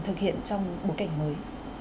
thực hiện trong bối cảnh mới